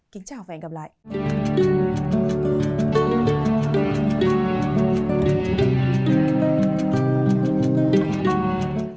kính chào và hẹn gặp lại